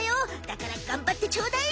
だからがんばってちょうだい！